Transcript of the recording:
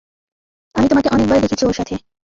আমি তোমাকে অনেকবার দেখেছি ওর সাথে।